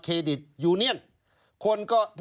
ชีวิตกระมวลวิสิทธิ์สุภาณฑ์